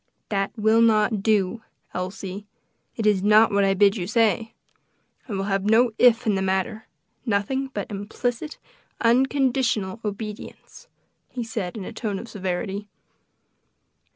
"That will not do, Elsie; it is not what I bid you say. I will have no if in the matter; nothing but implicit, unconditional obedience," he said in a tone of severity.